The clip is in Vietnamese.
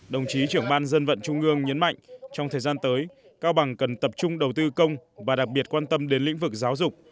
đồng chí trưởng ban dân vận trung ương nhấn mạnh trong thời gian tới cao bằng cần tập trung đầu tư công và đặc biệt quan tâm đến lĩnh vực giáo dục